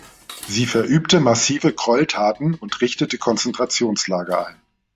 Sie verübte massive Gräueltaten und richtete Konzentrationslager ein.